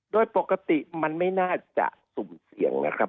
โดยปกติมันไม่น่าจะสุ่มเสี่ยงนะครับ